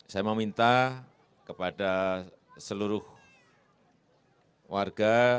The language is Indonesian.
saya mau minta kepada seluruh warga